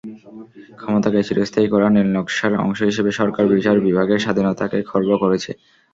ক্ষমতাকে চিরস্থায়ী করার নীলনকশার অংশ হিসেবে সরকার বিচার বিভাগের স্বাধীনতাকে খর্ব করছে।